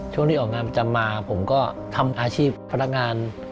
ช่วงที่ออกงานประจำมาผมก็ทำอาชีพพนักงาน